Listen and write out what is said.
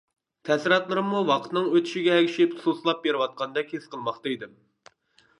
تەسىراتلىرىممۇ ۋاقىتنىڭ ئۆتۈشىگە ئەگىشىپ سۇسلاپ بېرىۋاتقاندەك ھېس قىلماقتا ئىدىم.